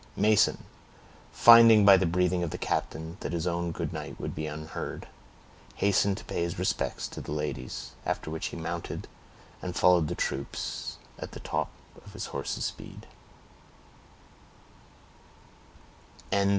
Mason, finding, by the breathing of the captain, that his own good night would be unheard, hastened to pay his respects to the ladies—after which he mounted and followed the troop at the top of his horse's speed.